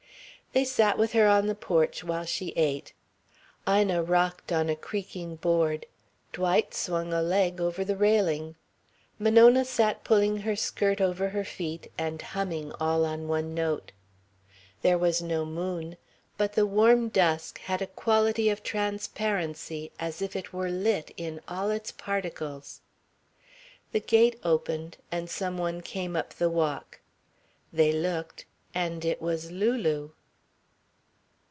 They sat with her on the porch while she ate. Ina rocked on a creaking board. Dwight swung a leg over the railing. Monona sat pulling her skirt over her feet, and humming all on one note. There was no moon, but the warm dusk had a quality of transparency as if it were lit in all its particles. The gate opened, and some one came up the walk. They looked, and it was Lulu.